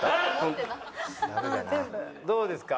どうですか？